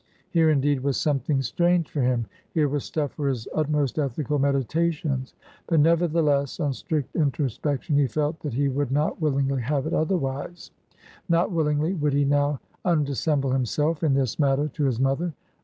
Here, indeed, was something strange for him; here was stuff for his utmost ethical meditations. But, nevertheless, on strict introspection, he felt, that he would not willingly have it otherwise; not willingly would he now undissemble himself in this matter to his mother.